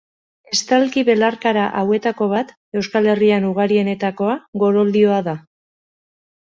Estalki belarkara hauetako bat, Euskal Herrian ugarienetakoa, goroldioa da.